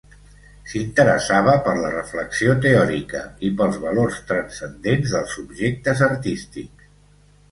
S'interessava per la reflexió teòrica i pels valors transcendents dels objectes artístics.